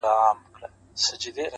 هره تېروتنه د اصلاح فرصت دی!